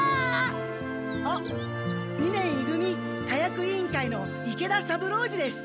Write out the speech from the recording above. あっ二年い組火薬委員会の池田三郎次です。